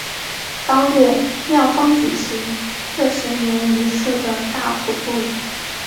当月庙方举行四十年一次的大普度。